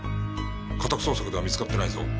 家宅捜索では見つかってないぞ。